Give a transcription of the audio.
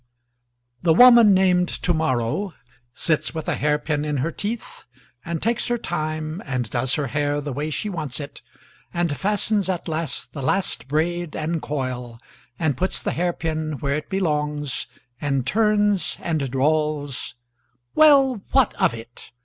”1THE WOMAN named To morrowsits with a hairpin in her teethand takes her timeand does her hair the way she wants itand fastens at last the last braid and coiland puts the hairpin where it belongsand turns and drawls: Well, what of it?